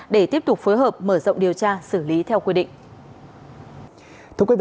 để tiếp tục phối hợp mở rộng điều tra xử lý theo quy định